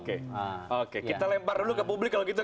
oke kita lempar dulu ke publik kalau gitu